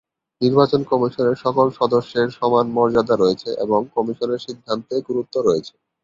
নির্বাচন কমিশনের সকল সদস্যের সমান মর্যাদা রয়েছে এবং কমিশনের সিদ্ধান্তে গুরুত্ব রয়েছে।